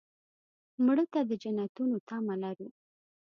مړه ته د جنتونو تمه لرو